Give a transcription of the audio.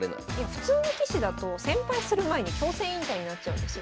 普通の棋士だと１，０００敗する前に強制引退になっちゃうんですよ。